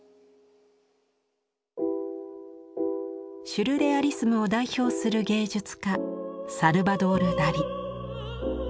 シュルレアリスムを代表する芸術家サルバドール・ダリ。